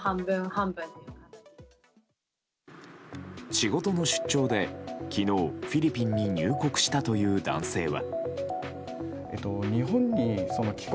仕事の出張で昨日フィリピンに入国したという男性は。